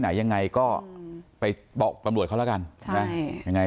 แซมน่รับทราบหน่ะ